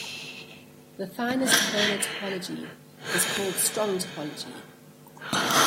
The finest polar topology is called strong topology.